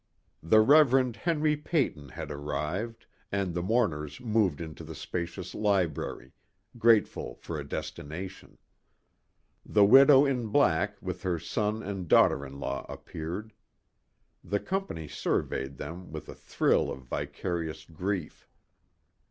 The Reverend Henry Peyton had arrived and the mourners moved into the spacious library, grateful for a destination. The widow in black with her son and daughter in law appeared. The company surveyed them with a thrill of vicarious grief.